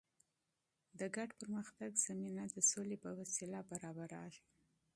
د ګډ پرمختګ زمینه د سولې په وسیله برابریږي.